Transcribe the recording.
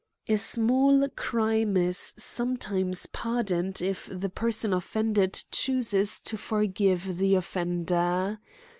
.% A small crime is sometimes pardoned if the person offended chooses to forgive the offender.